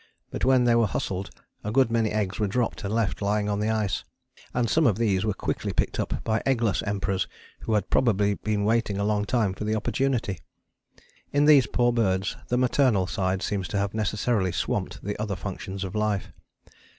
But when they were hustled a good many eggs were dropped and left lying on the ice, and some of these were quickly picked up by eggless Emperors who had probably been waiting a long time for the opportunity. In these poor birds the maternal side seems to have necessarily swamped the other functions of life.